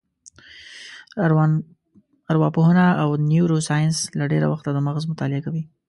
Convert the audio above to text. ارواپوهنه او نیورو ساینس له ډېره وخته د مغز مطالعه کوي.